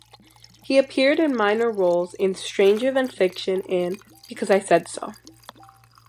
He appeared in minor roles in "Stranger Than Fiction" and "Because I Said So".